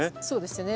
そうですね。